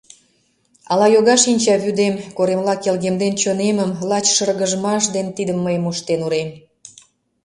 Ала йога шинчавӱдем, коремла келгемден чонемым, лач шыргыжмаш ден тидым мый моштен урем.